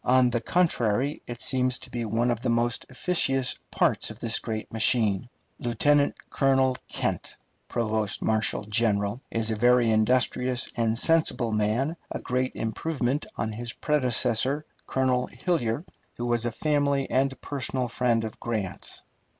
On the contrary, it seems to be one of the most efficacious parts of this great machine. Lieutenant Colonel Kent, provost marshal general, is a very industrious and sensible man, a great improvement on his predecessor, Colonel Hillyer, who was a family and personal friend of Grant's.